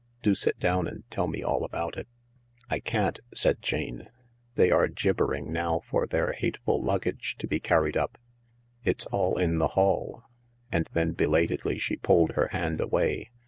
Do sit down and tell me all about it." " I can't," said Jane. " They are gibbering now for their hateful luggage to be carried up— it's al in the hall "; and then belatedly she pulled her hand away.